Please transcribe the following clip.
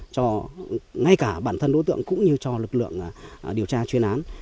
cho ngay cả bản thân đối tượng cũng như cho lực lượng điều tra chuyên án